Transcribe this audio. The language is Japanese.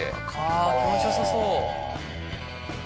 あ気持ち良さそう！